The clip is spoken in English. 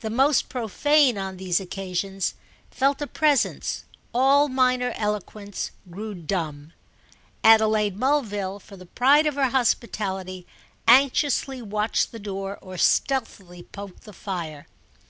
The most profane, on these occasions, felt a presence; all minor eloquence grew dumb. Adelaide Mulville, for the pride of her hospitality, anxiously watched the door or stealthily poked the fire.